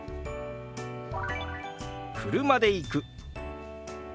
「車で行く」。